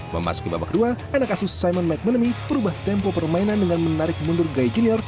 memasuki babak kedua anak asus simon mcmanamy berubah tempo permainan dengan menarik mundur gaya junior